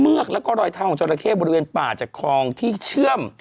ือกแล้วก็รอยเท้าของจราเข้บริเวณป่าจากคลองที่เชื่อม